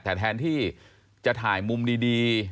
แต่แทนที่จะถ่ายมุมดี